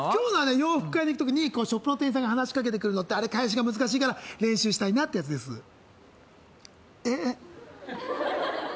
洋服屋に行く時にショップの店員さんが話しかけてくるのってあれ返しが難しいから練習したいなってやつですえっえっ